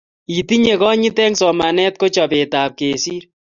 Itinye konyit eng somanet ko chopetap kesir